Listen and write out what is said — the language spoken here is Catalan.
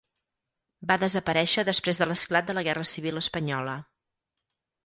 Va desaparèixer després de l'esclat de la Guerra Civil espanyola.